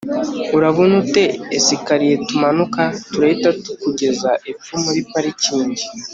urabona utuesikariye tumanuka, turahita tukugeza epfo muri parikingi